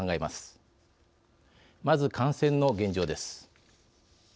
まず感染の現状です。